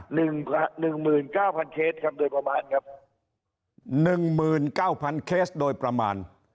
หนึ่งหนึ่งหมื่นเก้าพันเคสครับโดยประมาณครับหนึ่งหมื่นเก้าพันเคสโดยประมาณ